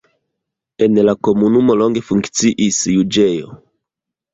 En la komunumo longe funkciis juĝejo.